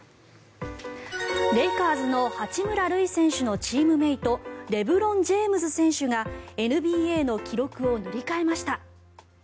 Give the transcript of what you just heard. レイカーズの八村塁選手のチームメートレブロン・ジェームズ選手がＮＢＡの記録を塗り替えました。